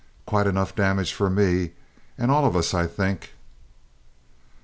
"Quite enough damage for me, and all of us, I think!"